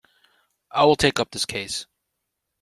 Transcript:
I will take up this case.